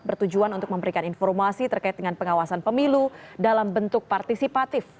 bertujuan untuk memberikan informasi terkait dengan pengawasan pemilu dalam bentuk partisipatif